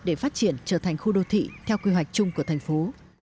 để phát triển trở thành khu đô thị theo quy hoạch chung của thành phố